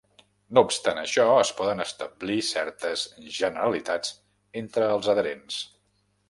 No obstant això, es poden establir certes generalitats entre els adherents.